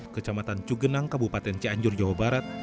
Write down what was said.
kecamatan cugenang kabupaten cianjur jawa barat